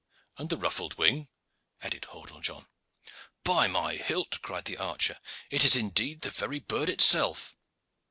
"And the ruffled wing," added Hordle John. "By my hilt!" cried the archer, "it is the very bird itself."